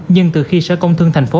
nhưng từ khi sở công thương tp